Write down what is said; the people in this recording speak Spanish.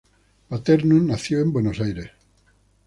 Paterno nació en Buenos Aires.